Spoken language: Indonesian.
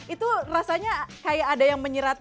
itu rasanya kayak ada yang menyerat